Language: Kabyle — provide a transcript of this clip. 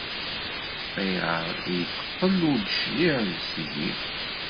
Ayɣer ay teqqel ur d-teclig seg-i?